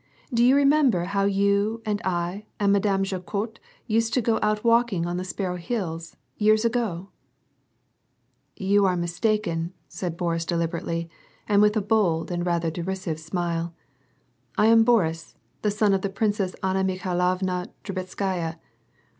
Do you remember how you and I and Madame Jaquot used to go out walking on the Sparrow Hills — years ago ?" "You are mistaken," said Boris deliberately, and with a bold and rather derisive smile ;" I am Boris, the son of the Princess Anna Mikliailovna Drubetskaya.